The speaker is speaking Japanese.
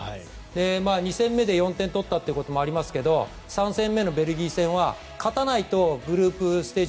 ２戦目で４点取ったこともありますけど３戦目のベルギー戦は勝たないとグループステージ